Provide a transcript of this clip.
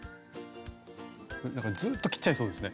なんかずっと切っちゃいそうですね。